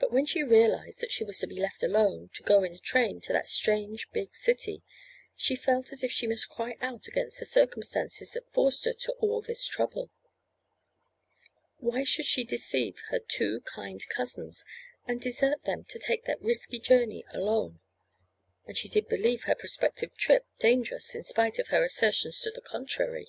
But when she realized that she was to be left alone, to go in a train to that strange, big city, she felt as if she must cry out against the circumstances that forced her to all this trouble. Why should she deceive her two kind cousins, and desert them to take that risky journey alone? And she did believe her prospective trip dangerous in spite of her assertions to the contrary.